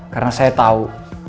karena saya tahu